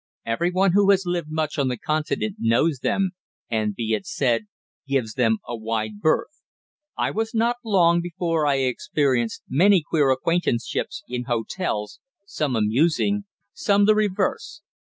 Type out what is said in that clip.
Every one who has lived much on the Continent knows them and, be it said, gives them a wide berth. I was not long before I experienced many queer acquaintanceships in hotels, some amusing, some the reverse.